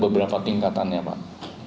beberapa tingkatan ya pak